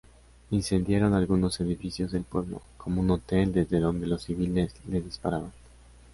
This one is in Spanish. Incendiaron algunos edificios del pueblo, como un hotel desde donde los civiles les disparaban.